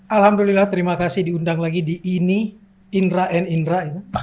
alhamdulillah terima kasih diundang lagi di ini indra and indra ya